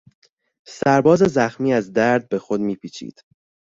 سرباز زخمی از درد به خود میپیچید.